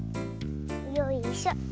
よいしょ。